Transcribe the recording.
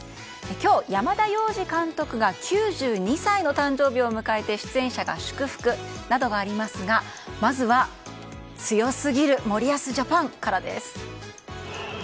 今日、山田洋次監督が９２歳の誕生日を迎えて出演者が祝福などがありますがまずは、強すぎる森保ジャパンからです。